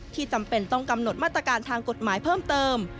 จำเป็นต้องกำหนดมาตรการทางกฎหมายเพิ่มเติม